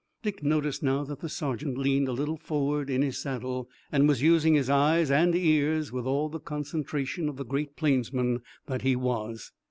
Dick noticed now that the sergeant leaned a little forward in his saddle and was using his eyes and ears with all the concentration of the great plainsman that he was.